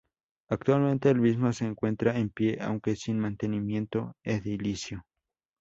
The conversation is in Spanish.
Actualmente el mismo se encuentra en pie, aunque sin mantenimiento edilicio.